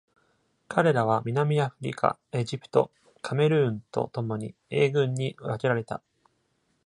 彼らは、南アフリカ、エジプト、カメルーンとともに A 群に分けられた。